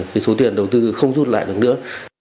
cái số tiền đầu tư không rút lại được nữa